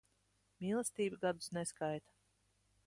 Mīlestība gadus neskaita.